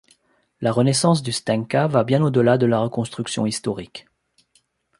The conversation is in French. La renaissance du stenka va bien au-delà de la reconstruction historique.